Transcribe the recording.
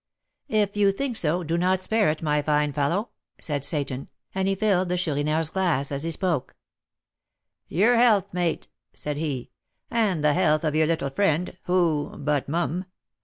"If you think so, do not spare it, my fine fellow," said Seyton, and he filled the Chourineur's glass as he spoke. "Your health, mate," said he, "and the health of your little friend, who but mum.